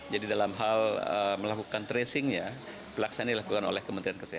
jadi dalam hal melakukan tracing nya pelaksanaan dilakukan oleh kementerian kesehatan